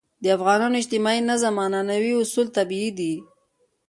د افغانانو اجتماعي نظم عنعنوي اصول طبیعي دي.